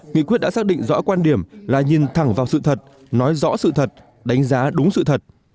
nghị quyết đã xác định rõ quan điểm là nhìn thẳng vào sự thật nói rõ sự thật đánh giá đúng sự thật